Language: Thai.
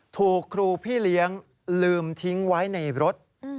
ถูกครูพี่เลี้ยงลืมทิ้งไว้ในรถ